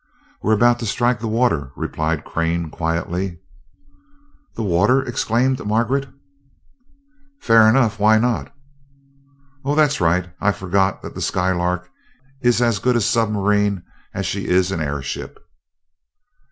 "We are about to strike the water," replied Crane quietly. "The water!" exclaimed Margaret. "Fair enough why not?" "Oh, that's right I forgot that the Skylark is as good a submarine as she is an airship."